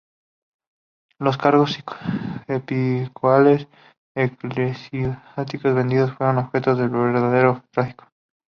Los cargos episcopales y eclesiásticos vendidos fueron objeto de un verdadero tráfico.